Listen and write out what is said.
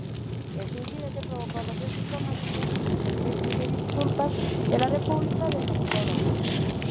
Este incidente provocó roces diplomáticos y Dmitri exigió disculpas de la República de Nóvgorod.